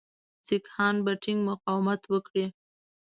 سیکهان به ټینګ مقاومت وکړي.